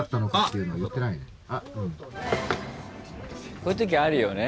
こういうときあるよね。